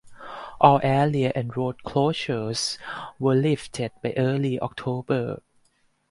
All area and road closures were lifted by early October.